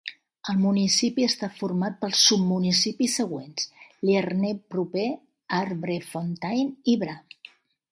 El municipi està format pels submunicipis següents: Lierneux proper, Arbrefontaine i Bra.